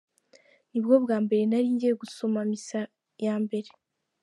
Nibwo bwa mbere nari ngiye gusoma misa ya mbere.